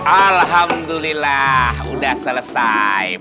alhamdulillah sudah selesai